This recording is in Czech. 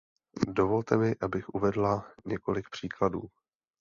Dovolte mi, abych uvedla několik příkladů.